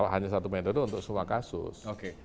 hanya satu metode untuk semua kasus